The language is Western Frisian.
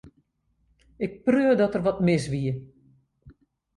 Ik preau dat der wat mis wie.